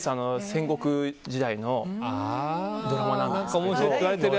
戦国時代のドラマなんですけど。